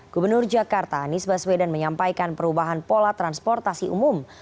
gubernur jakarta anies baswedan menyampaikan perubahan pola transportasi umum